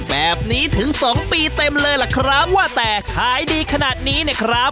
แบบนี้ถึงสองปีเต็มเลยล่ะครับว่าแต่ขายดีขนาดนี้เนี่ยครับ